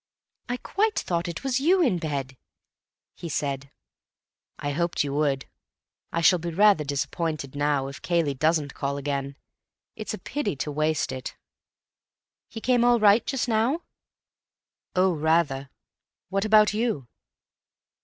"I quite thought it was you in bed," he said. "I hoped you would. I shall be rather disappointed now if Cayley doesn't call again. It's a pity to waste it." "He came all right just now?" "Oh, rather. What about you?"